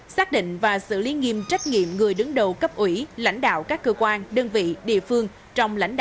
xác định và xử lý nghiêm trách nghiệm người đứng đầu cấp ủy lãnh đạo các cơ quan đơn vị địa phương